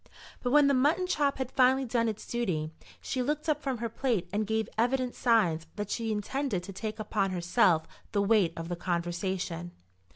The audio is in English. But when the mutton chop had finally done its duty, she looked up from her plate and gave evident signs that she intended to take upon herself the weight of the conversation.